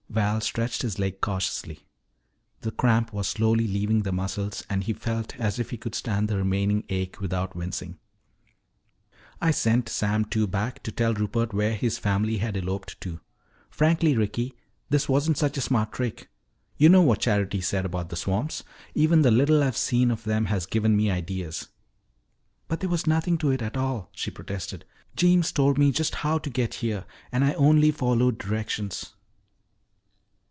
Val stretched his leg cautiously. The cramp was slowly leaving the muscles and he felt as if he could stand the remaining ache without wincing. "I sent Sam Two back to tell Rupert where his family had eloped to. Frankly, Ricky, this wasn't such a smart trick. You know what Charity said about the swamps. Even the little I've seen of them has given me ideas." "But there was nothing to it at all," she protested. "Jeems told me just how to get here and I only followed directions."